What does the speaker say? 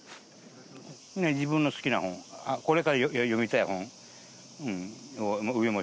自分の好きな本、これから読みたい本。